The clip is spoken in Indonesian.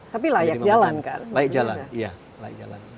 tapi layak jalan kan